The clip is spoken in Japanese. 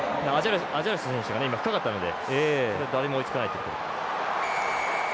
アジャルサ選手、深かったので誰も追いつかないと。